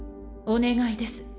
お願いです